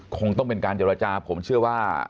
คงต้องเป็นการเจรจาผมเชื่อว่า